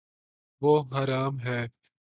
وہ ہرا م ہے